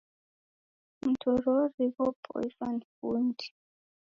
Mtorori ghopoiswa ni fundi.